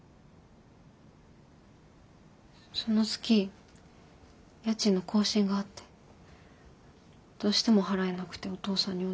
その月家賃の更新があってどうしても払えなくてお父さんにお願いした。